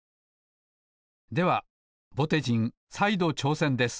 ではぼてじんさいどちょうせんです！